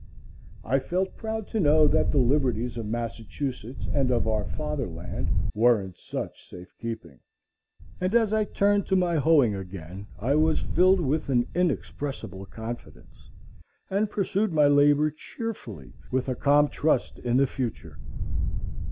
I felt proud to know that the liberties of Massachusetts and of our fatherland were in such safe keeping; and as I turned to my hoeing again I was filled with an inexpressible confidence, and pursued my labor cheerfully with a calm trust in the future.